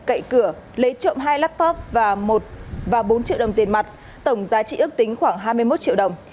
cậy cửa lấy trộm hai laptop và bốn triệu đồng tiền mặt tổng giá trị ước tính khoảng hai mươi một triệu đồng